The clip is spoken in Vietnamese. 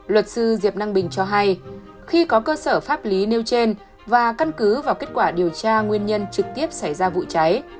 luật sư diệp năng bình cho hay khi có cơ sở pháp lý nêu trên và căn cứ vào kết quả điều tra nguyên nhân trực tiếp xảy ra vụ cháy